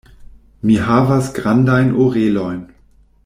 Mi havas grandajn orelojn.